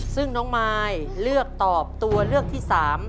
ซึ่งน้องมายเลือกตอบตัวเลือกที่๓